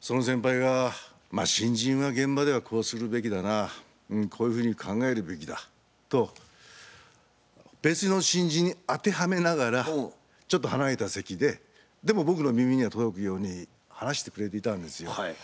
その先輩が「新人は現場ではこうするべきだなこういうふうに考えるべきだ」と別の新人に当てはめながらちょっと離れた席ででも僕の耳には届くように話してくれていたんですよ。